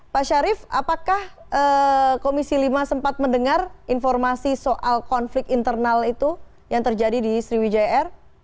pak syarif apakah komisi lima sempat mendengar informasi soal konflik internal itu yang terjadi di sriwijaya air